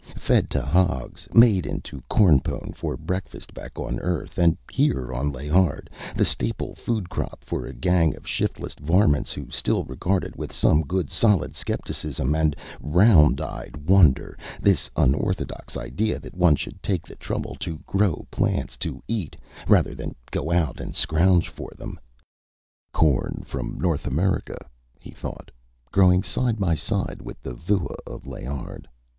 Fed to hogs, made into corn pone for breakfast back on Earth, and here, on Layard, the staple food crop for a gang of shiftless varmints who still regarded, with some good solid skepticism and round eyed wonder, this unorthodox idea that one should take the trouble to grow plants to eat rather than go out and scrounge for them. Corn from North America, he thought, growing side by side with the vua of Layard.